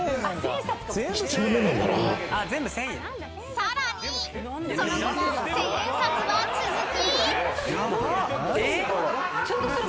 ［さらにその後も千円札は続き］